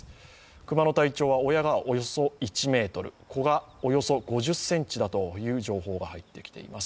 熊の体長は親がおよそ１ｍ、子がおよそ５０ｃｍという情報が入ってきています。